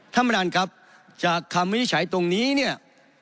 ท่านประธานครับจากคำวินิจฉัยตรงนี้เนี่ย